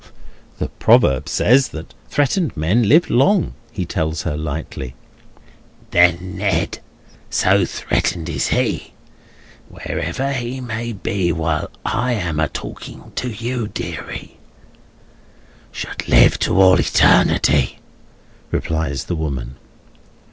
"The proverb says that threatened men live long," he tells her, lightly. "Then Ned—so threatened is he, wherever he may be while I am a talking to you, deary—should live to all eternity!" replies the woman.